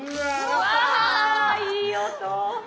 うわいい音。